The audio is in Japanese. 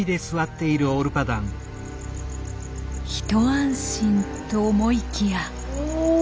一安心と思いきや。